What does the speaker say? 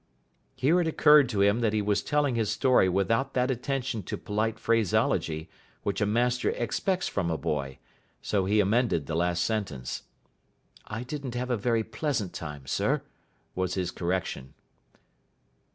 Here it occurred to him that he was telling his story without that attention to polite phraseology which a master expects from a boy, so he amended the last sentence. "I didn't have a very pleasant time, sir," was his correction.